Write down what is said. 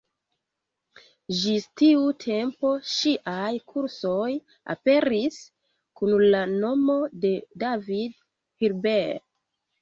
Ĝis tiu tempo ŝiaj kursoj aperis kun la nomo de David Hilbert.